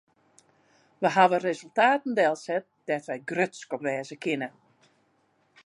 Wy hawwe resultaten delset dêr't wy grutsk op wêze kinne.